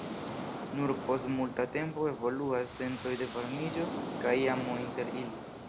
Nur post multa tempo evoluas sentoj de varmiĝo kaj amo inter ili.